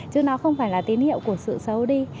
chứ nó không phải là tín hiệu của sự xấu đi